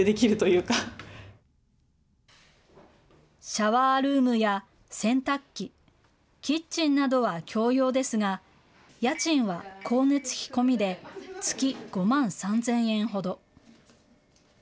シャワールームや洗濯機、キッチンなどは共用ですが、家賃は光熱費込みで月５万３０００円ほど。